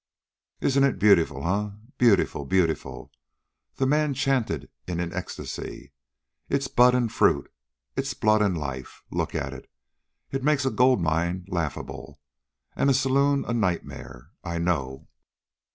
"Isn't it beautiful, eh? beautiful! beautiful!" the man chanted in an ecstasy. "It's bud and fruit. It's blood and life. Look at it! It makes a gold mine laughable, and a saloon a nightmare. I know.